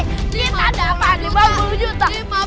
kita dapat lima puluh juta